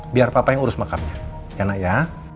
biar papa yang urus makamnya